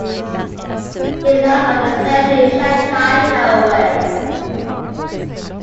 It lies on the Beijing-Shanghai Railway.